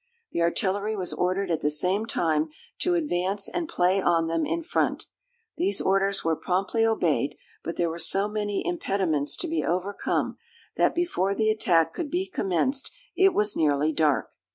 The artillery was ordered at the same time to advance and play on them in front. These orders were promptly obeyed; but there were so many impediments to be overcome, that before the attack could be commenced, it was nearly dark.